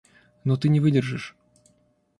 Но ты не выдержишь.